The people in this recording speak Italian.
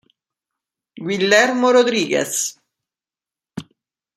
Guillermo Rodríguez